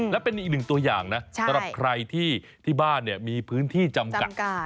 และเป็นอีกหนึ่งตัวอย่างนะสำหรับใครที่บ้านมีพื้นที่จำกัด